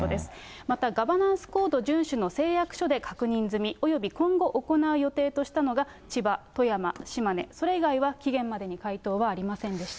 また、ガバナンスコード順守の誓約書で確認済み、および今後行う予定としたのが、千葉、富山、島根、それ以外は期限までに回答はありませんでした。